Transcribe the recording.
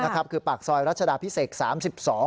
คือปากซอยรัชดาพิเศษ๓๒